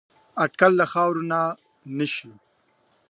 اټکل له خاورو نه شي